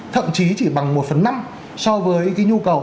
thậm chí chỉ bằng một phần năm so với cái nhu cầu